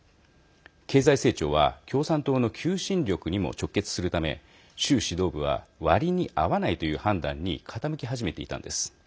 経済成長は共産党の求心力にも直結するため、習指導部は割に合わないという判断に傾き始めていたんです。